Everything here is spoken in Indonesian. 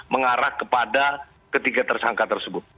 mengarah kepada ketiga tersangka tersebut